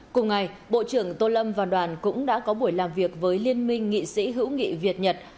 cùng ngày bộ trưởng tô lâm và đoàn cũng đã có buổi làm việc với liên minh nghị sĩ hữu nghị việt nhật